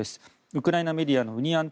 ウクライナメディアのウニアン